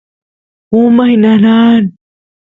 umay nanan